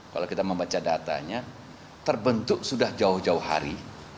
kalau kita membaca datanya terbentuk sudah jauh jauh hari